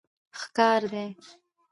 ښکار دي